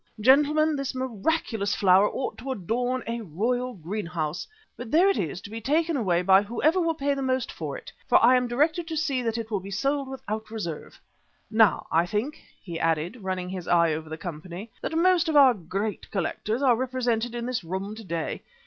Gentlemen, this miraculous flower ought to adorn a royal greenhouse. But there it is, to be taken away by whoever will pay the most for it, for I am directed to see that it will be sold without reserve. Now, I think," he added, running his eye over the company, "that most of our great collectors are represented in this room to day.